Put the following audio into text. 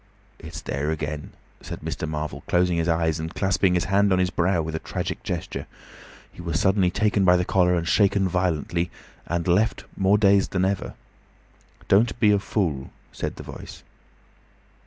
"It's there again," said Mr. Marvel, closing his eyes and clasping his hand on his brow with a tragic gesture. He was suddenly taken by the collar and shaken violently, and left more dazed than ever. "Don't be a fool," said the Voice.